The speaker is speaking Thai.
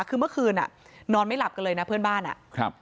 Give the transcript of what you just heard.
คือเมื่อคืนอ่ะนอนไม่หลับกันเลยนะเพื่อนบ้านอ่ะครับ